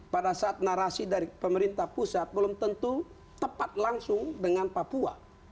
pada saat narasi dari pemerintah pusat belum tentu tepat langsung dengan papua